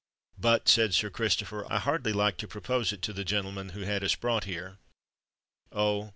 "But—but," said Sir Christopher, "I hardly like to propose it to the gentleman who had us brought here——" "Oh!